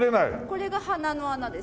これが鼻の穴です。